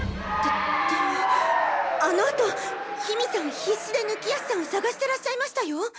ででもあの後緋美さん必死で貫康さんを捜してらっしゃいましたよ。